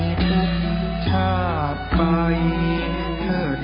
บ่งทัพพระชาภูมิฝนพ่อเจ้า